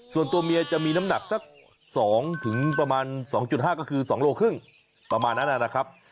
ส่วนตัวเมียจะมีน้ำหนักสัก๒ประมาณ๒๕ก็คือ๒โลครึ่งประมาณนั้นนะครับ